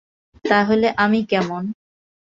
তাহলে আমি কেমন?